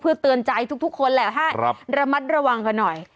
เพื่อเตือนใจทุกคนแหละให้ระมัดระวังกันหน่อย